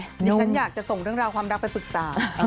ฉันอยากจะส่งเรื่องราวความรักไปปรึกษา